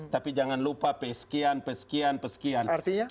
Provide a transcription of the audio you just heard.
tapi jangan lupa pesekian pesekian pesekian